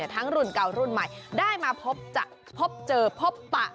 รุ่นเก่ารุ่นใหม่ได้มาพบจะพบเจอพบปะ